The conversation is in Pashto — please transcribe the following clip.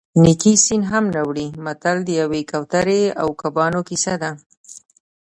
نیکي سین هم نه وړي متل د یوې کوترې او کبانو کیسه ده